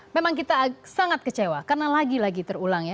memang kita sangat kecewa karena lagi lagi terulang ya